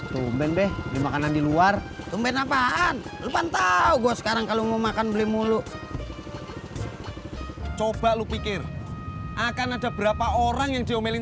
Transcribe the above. lu tahu gue sekarang kalau mau makan beli mulu coba lu pikir akan ada berapa orang yang diomelin